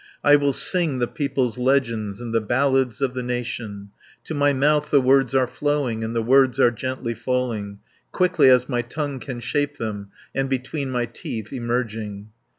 I will sing the people's legends, And the ballads of the nation. To my mouth the words are flowing, And the words are gently falling, Quickly as my tongue can shape them, And between my teeth emerging.